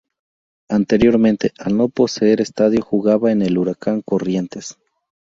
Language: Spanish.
Anteriormente, al no poseer estadio jugaba en el de Huracán Corrientes.